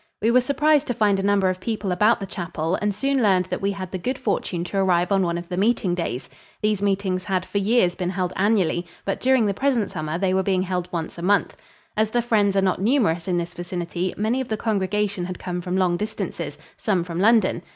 We were surprised to find a number of people about the chapel and soon learned that we had the good fortune to arrive on one of the meeting days. These meetings had for years been held annually, but during the present summer they were being held once a month. As the Friends are not numerous in this vicinity, many of the congregation had come from long distances some from London.